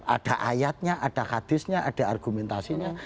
ada ayatnya ada hadisnya ada argumentasinya